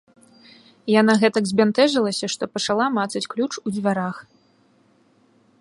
Яна гэтак збянтэжылася, што пачала мацаць ключ у дзвярах.